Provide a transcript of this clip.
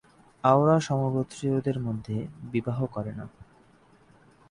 অওরা সমগোত্রীয়দের মধ্যে বিবাহ করে না।